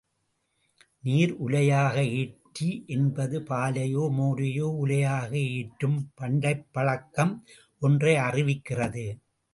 நீர் உலையாக ஏற்றி என்பது, பாலையோ மோரையோ உலையாக ஏற்றும் பண்டைய பழக்கம் ஒன்றை அறிவிக்கிறது.